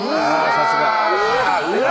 さすが。